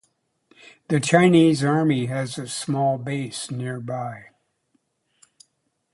The Chinese army has a small base nearby.